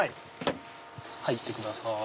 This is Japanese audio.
入ってください。